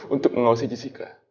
untuk mengawasi jessica